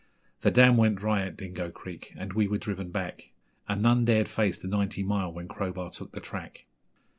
The dam went dry at Dingo Creek, and we were driven back, And none dared face the Ninety Mile when Crowbar took the track.